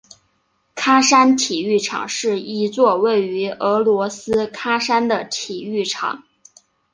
喀山体育场是一座位于俄罗斯喀山的体育场。